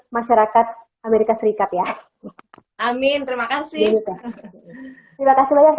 masyarakat amerika serikat ya amin terima kasih banyak